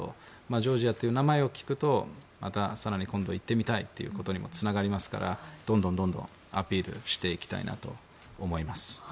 ジョージアという名前を聞くとまた行ってみたいってことにもつながりますからどんどんアピールしていきたいと思います。